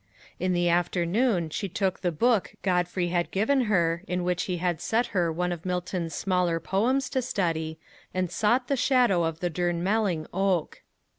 In the afternoon she took the book Godfrey had given her, in which he had set her one of Milton's smaller poems to study, and sought the shadow of the Durnmelling oak.